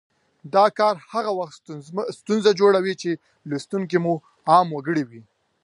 دا کار هغه وخت ستونزه جوړوي چې لوستونکي مو عام وګړي وي